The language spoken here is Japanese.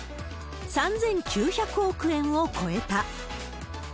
３９００億円を超えた。